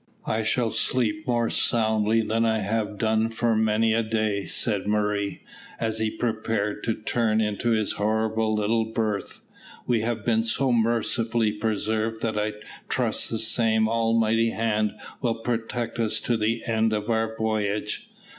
"I shall sleep more soundly than I have done for many a day," said Murray, as he prepared to turn into his horrible little berth. "We have been so mercifully preserved that I trust the same Almighty hand will protect us to the end of our voyage.